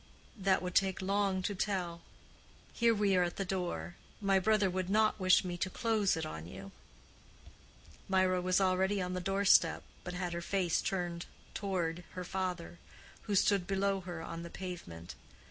"That would take long to tell. Here we are at the door. My brother would not wish me to close it on you." Mirah was already on the doorstep, but had her face turned toward her father, who stood below her on the pavement.